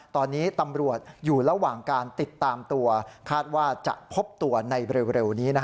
ตอนนี้ตำรวจอยู่ระหว่างการติดตามตัวคาดว่าจะพบตัวในเร็วนี้